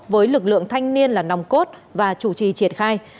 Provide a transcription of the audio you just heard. với lực lượng thanh niên là nòng cốt và chủ trì triển khai